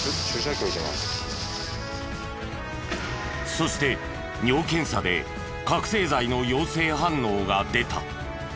そして尿検査で覚醒剤の陽性反応が出た。